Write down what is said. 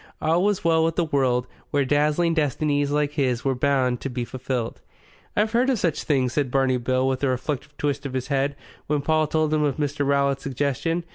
All was well with the world where dazzling destinies like his were bound to be fulfilled. "I've heard of such things," said Barney Bill with a reflective twist of his head, when Paul had told him of Mr. Rowlatt's suggestion.